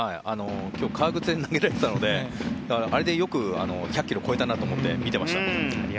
今日、革靴で投げられていたのであれでよく１００キロ超えたなと思って見てました。